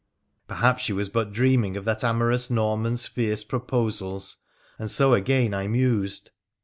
' Perhaps she was but dreaming of that amorous Norman's fierce proposals, and so again I mused.